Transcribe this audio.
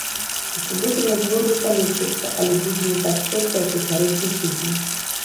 У суботу надвор'е палепшыцца але будзе не так цёпла, як у сярэдзіне тыдня.